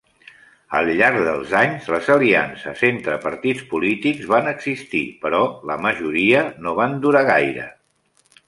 Al llarg dels anys, les aliances entre partits polítics van existir, però la majoria no van durar gaire.